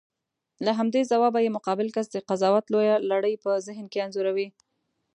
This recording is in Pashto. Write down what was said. له همدې ځوابه یې مقابل کس د قضاوت لویه لړۍ په ذهن کې انځوروي.